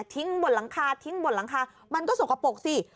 ทิ้งบนหลังคามันก็สกปรกสิ